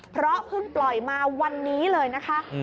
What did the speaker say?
เพราะเพิ่งปล่อยมาวันนี้เลยนะคะ